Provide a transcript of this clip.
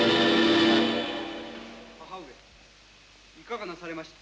母上いかがなされました？